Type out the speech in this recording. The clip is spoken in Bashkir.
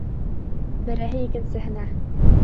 Береһе икенсеһенә: